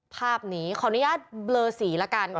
ภาพนี้ขออนุญาตเบลอสีละกัน